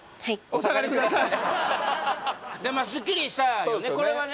まあすっきりしたよね